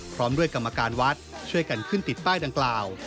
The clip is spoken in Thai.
พร้อมด้วยกรรมการวัดช่วยกันขึ้นติดป้ายดังกล่าว